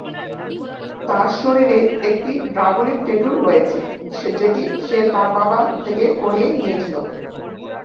তার শরীরে একটি ড্রাগনের ট্যাটু রয়েছে যেটি সে তার বাবা থেকে করিয়ে নিয়েছিল।